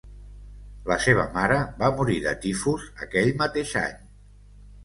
La seva mare va morir de tifus aquell mateix any.